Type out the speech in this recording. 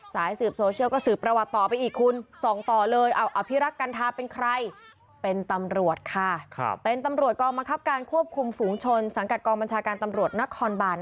สายสืบโซเชียลก็สืบประวัติต่อไปอีกคุณส่องต่อเลยอภิรักษ์กันทาเป็นใครเป็นตำรวจค่ะเป็นตำรวจกองบังคับการควบคุมฝูงชนสังกัดกองบัญชาการตำรวจนครบาน